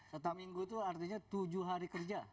satu minggu itu artinya tujuh hari kerja